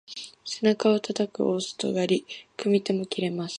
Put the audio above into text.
背中をたたく大外刈り、組み手も切れます。